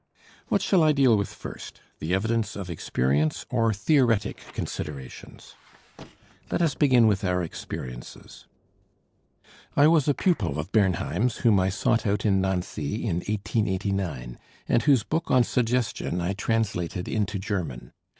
What shall I deal with first, the evidence of experience or theoretic considerations? Let us begin with our experiences. I was a pupil of Bernheim's, whom I sought out in Nancy in 1889, and whose book on suggestion I translated into German.